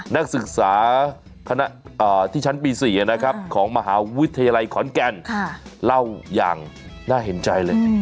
นักศึกษาที่ชั้นปี๔ของมหาวิทยาลัยขอนแก่นเล่าอย่างน่าเห็นใจเลย